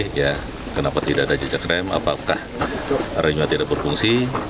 kenapa tidak ada jejak rem apakah remnya tidak berfungsi